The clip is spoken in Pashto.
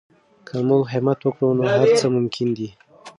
که موږ همت وکړو نو هر څه ممکن دي.